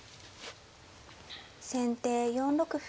先手４六歩。